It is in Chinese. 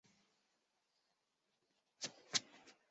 噶哈巫语只有代词本身会依格位之不同而进行变格运作。